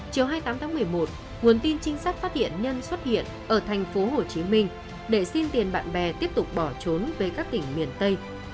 chiều hai mươi tám tháng một mươi một nguồn tin trinh sát phát hiện nhân xuất hiện ở tp hcm để xin tiền bạn bè tiếp tục bỏ trốn về các tỉnh miền tây